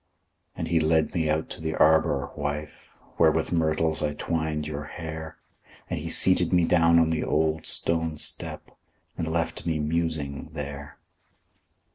And he led me out to the arbor, wife, Where with myrtles I twined your hair; And he seated me down on the old stone step, And left me musing there.